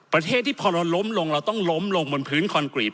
ประเทศที่พอเราล้มลงเราต้องล้มลงบนพื้นคอนกรีต